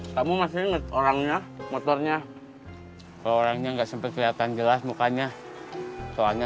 kamu masih ingat orangnya motornya kalau orangnya nggak sampai kelihatan jelas mukanya soalnya